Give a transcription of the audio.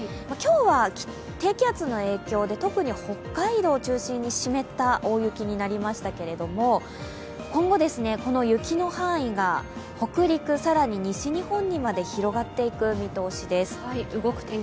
今日は低気圧の影響で特に北海道を中心に湿った大雪になりましたけれども今後、この雪の範囲が北陸、更に西日本にまで広がっていく見通しです。